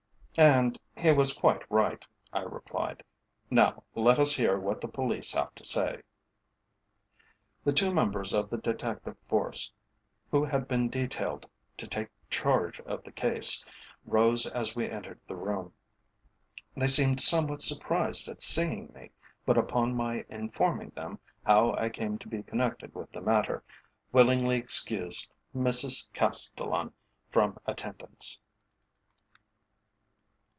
"And he was quite right," I replied. "Now let us hear what the police have to say." The two members of the Detective Force, who had been detailed to take charge of the case, rose as we entered the room. They seemed somewhat surprised at seeing me, but upon my informing them how I came to be connected with the matter, willingly excused Mrs Castellan from attendance.